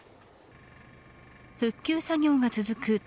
復旧作業が続く